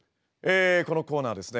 このコーナーはですね